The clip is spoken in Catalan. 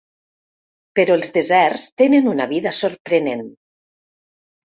Però els deserts tenen una vida sorprenent.